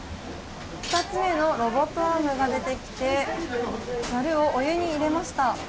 ２つ目のロボットアームが出てきてざるをお湯に入れました。